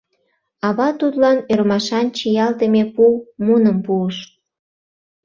Ава тудлан ӧрмашан чиялтыме пу муным пуыш.